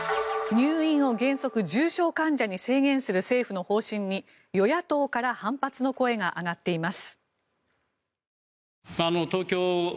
入院を原則、重症患者に制限する政府の方針に与野党から反発の声が上がっています。